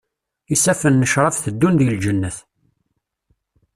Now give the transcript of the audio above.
Isaffen n ccrab teddun deg lǧennet.